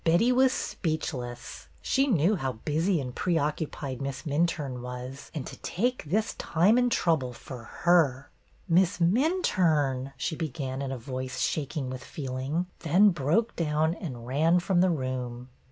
Betty was speechless. She knew how busy and preoccupied Miss Minturne was, and to take this time and trouble for her !'' Miss Minturne," she began in a voice shak ing with feeling; then she broke down and ran from the room.